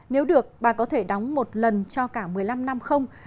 nếu được bà có thể đóng một lần cho cả một mươi năm năm không